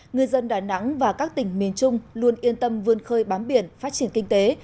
người dân đà nẵng và các tỉnh miền trung luôn yên tâm vươn khơi bám biển phát triển kinh tế